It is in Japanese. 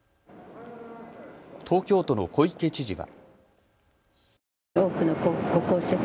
東京都の小池知事は。